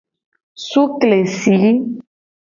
Sukesi.